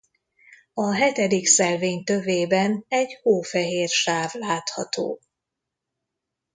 A hetedik szelvény tövében egy hófehér sáv látható.